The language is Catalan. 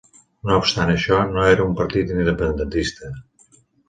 No obstant això, no era un partit independentista.